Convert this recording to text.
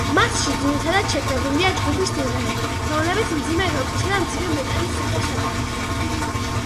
მასში ძირითადად შეკრებილია ჯგუფის სიმღერები, რომლებიც მძიმე როკისა და მძიმე მეტალის სახეს ატარებენ.